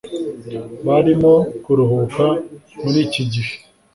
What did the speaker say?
Barimo kuruhuka muriki gihe.